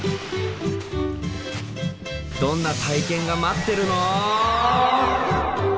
どんな体験が待ってるの？